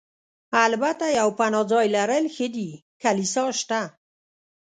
البته یو پناه ځای لرل ښه دي، کلیسا شته.